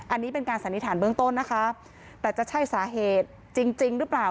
อันนี้เป็นการสันนิษฐานเบื้องต้นนะคะแต่จะใช่สาเหตุจริงจริงหรือเปล่า